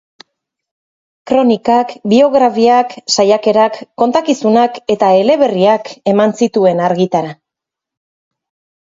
Kronikak, biografiak, saiakerak, kontakizunak eta eleberriak eman zituen argitara.